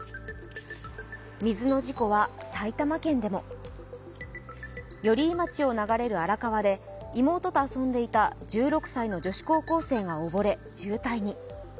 水の事故は埼玉県でも寄居町を流れる荒川で、妹と遊んでいた１６歳の女子高校生が溺れ渋滞に。